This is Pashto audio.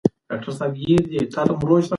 چاپېريال پاک ساتل ماشوم خوشاله کوي.